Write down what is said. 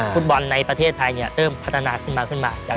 ฟุตบอลในประเทศไทยเริ่มพัฒนาขึ้นมาขึ้นมา